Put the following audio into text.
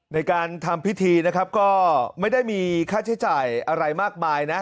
ในการทำพิธีนะครับก็ไม่ได้มีค่าใช้จ่ายอะไรมากมายนะ